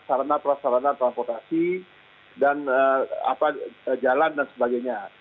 tentang perasarana transportasi dan jalan dan sebagainya